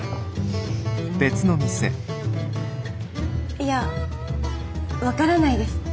いや分からないです。